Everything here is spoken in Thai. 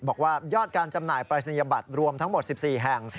บอกว่ายอดการจำหน่ายปรายศนียบัตรรวมทั้งหมด๑๔แห่ง